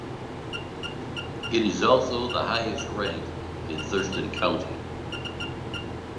It is also the highest rank in Thurston County.